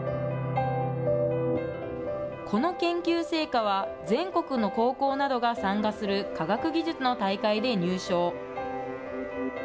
この研究成果は、全国の高校などが参加する科学技術の大会で入賞。